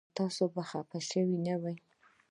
ایا تاسو خفه نه شوئ؟